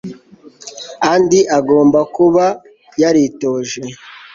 andy agomba kuba yaritoje